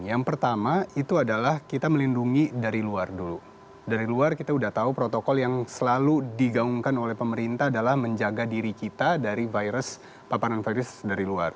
yang pertama itu adalah kita melindungi dari luar dulu dari luar kita sudah tahu protokol yang selalu digaungkan oleh pemerintah adalah menjaga diri kita dari virus papanan virus dari luar